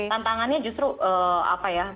tantangannya justru apa ya